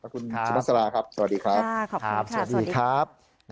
คุณชมัสลาครับสวัสดีครับขอบคุณค่ะสวัสดีครับ